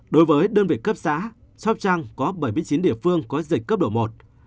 đối với đơn vị cấp xã sóc trăng có bảy mươi chín địa phương có dịch cấp độ một